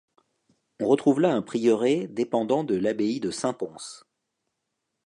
On retrouve là un prieuré dépendant de l’abbaye de Saint-Pons.